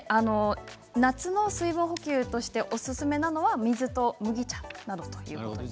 夏の水分補給としておすすめなのは水と麦茶ということです。